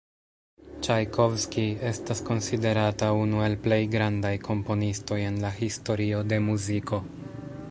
Ĉajkovskij estas konsiderata unu el plej grandaj komponistoj en la historio de muziko.